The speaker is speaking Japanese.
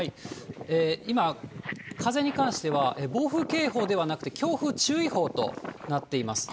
今、風に関しては、暴風警報ではなくて、強風注意報となっています。